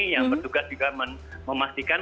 yang bertugas juga memastikan